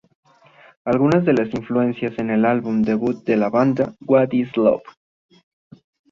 Algunas de las influencias en el álbum debut de la banda, "What is love?